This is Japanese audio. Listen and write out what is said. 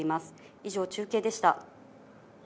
以上、中継でした。